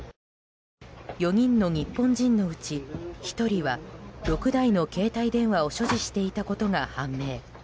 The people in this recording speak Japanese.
４人の日本人のうち１人は６台の携帯電話を所持していたことが判明。